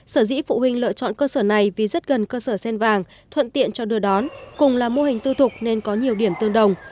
sở dĩ phụ huynh lựa chọn cơ sở này vì rất gần cơ sở sen vàng thuận tiện cho đưa đón cùng là mô hình tư thục nên có nhiều điểm tương đồng